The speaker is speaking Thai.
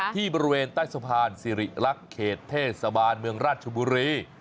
ที่บริเวณใต้สะพานสิริรักษ์เขตเทศบาลเมืองราชบุรี